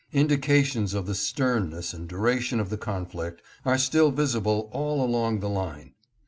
Indications of the stern ness and duration of the conflict are still visible all along the line.